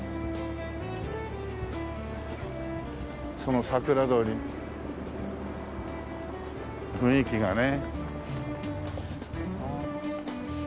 その桜通り雰囲気がね。